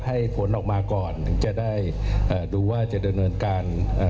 ให้ผลออกมาก่อนถึงจะได้เอ่อดูว่าจะดำเนินการอ่า